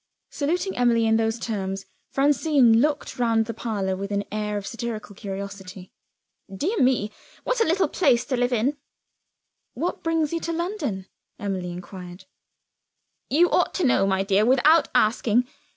Saluting Emily in those terms, Francine looked round the parlor with an air of satirical curiosity. "Dear me, what a little place to live in!" "What brings you to London?" Emily inquired. "You ought to know, my dear, without asking.